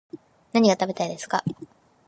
何が食べたいですか